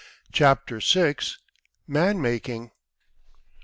CHAPTER VI. MAN MAKING.